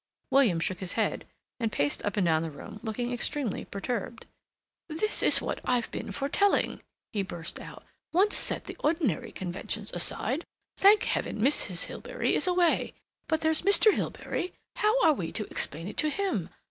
William shook his head, and paced up and down the room looking extremely perturbed. "This is what I've been foretelling," he burst out. "Once set the ordinary conventions aside—Thank Heaven Mrs. Hilbery is away. But there's Mr. Hilbery. How are we to explain it to him?